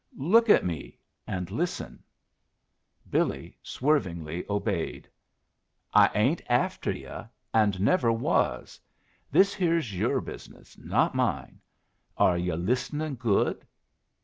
"Look at me, and listen." Billy swervingly obeyed. "I ain't after yu', and never was. This here's your business, not mine. Are yu' listenin' good?"